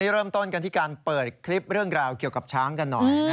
เริ่มต้นกันที่การเปิดคลิปเรื่องราวเกี่ยวกับช้างกันหน่อย